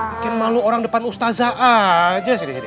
mungkin malu orang depan ustadzah aja sini sini